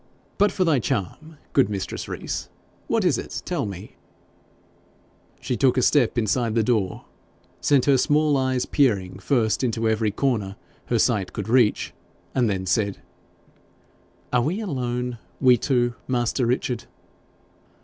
But for thy charm, good mistress Rees, what is it tell me ?' She took a step inside the door, sent her small eyes peering first into every corner her sight could reach, and then said: 'Are we alone we two, master Richard?'